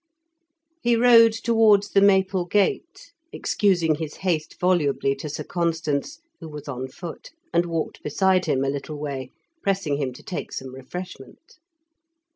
He rode towards the Maple Gate, excusing his haste volubly to Sir Constans, who was on foot, and walked beside him a little way, pressing him to take some refreshment.